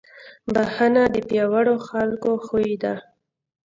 بښنه د پیاوړو خلکو خوی دی.